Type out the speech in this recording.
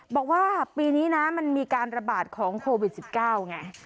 บอกว่าปีนี้นะมันมีการระบาดของโควิด๑๙ไง